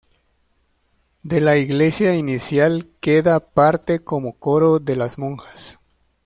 De la iglesia inicial queda parte como coro de las monjas.